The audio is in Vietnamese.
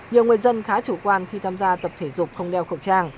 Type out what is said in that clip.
nhiều người dân khá chủ quan khi tham gia tập thể dục không đeo khẩu trang